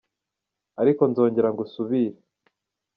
Ariko nzongera ngusubire